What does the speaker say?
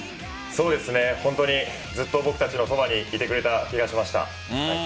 そうですね、ずっと僕たちのそばにいてくれた気がしました。